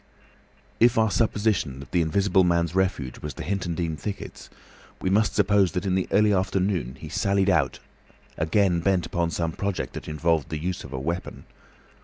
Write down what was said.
If our supposition that the Invisible Man's refuge was the Hintondean thickets, then we must suppose that in the early afternoon he sallied out again bent upon some project that involved the use of a weapon.